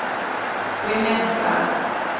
Wê nebizdand.